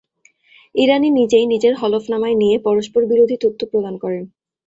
ইরানি নিজেই নিজের হলফনামায় নিয়ে পরস্পরবিরোধী তথ্য প্রদান করেন।